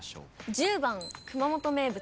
１０番熊本名物。